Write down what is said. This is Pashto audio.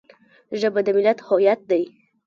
ژبه د ملت هویت دی